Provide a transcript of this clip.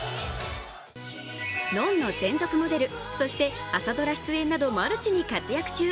「ｎｏｎ−ｎｏ」専属モデル、そして朝ドラ出演などマルチに活躍中。